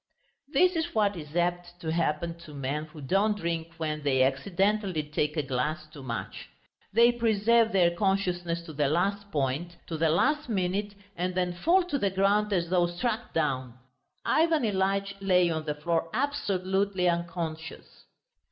This is what is apt to happen to men who don't drink when they accidentally take a glass too much. They preserve their consciousness to the last point, to the last minute, and then fall to the ground as though struck down. Ivan Ilyitch lay on the floor absolutely unconscious.